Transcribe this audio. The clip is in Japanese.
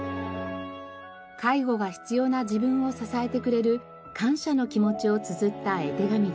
介護が必要な自分を支えてくれる感謝の気持ちをつづった絵手紙でした。